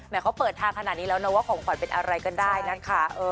เขาเปิดทางขนาดนี้แล้วนะว่าของขวัญเป็นอะไรก็ได้นะคะ